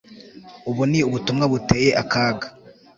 Ubu ni ubutumwa buteye akaga